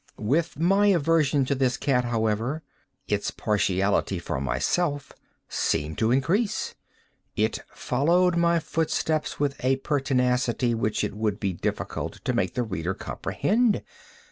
With my aversion to this cat, however, its partiality for myself seemed to increase. It followed my footsteps with a pertinacity which it would be difficult to make the reader comprehend.